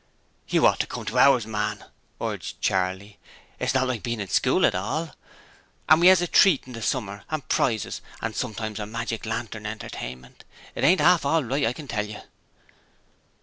'You ought to come to ours, man!' urged Charley. 'It's not like being in school at all! And we 'as a treat in the summer, and prizes and sometimes a magic lantern 'tainment. It ain't 'arf all right, I can tell you.'